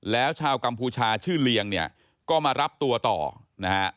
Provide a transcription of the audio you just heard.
แล้วชาวกัมพูชาชื่อเลียงเนี่ยก็มารับตัวต่อนะฮะ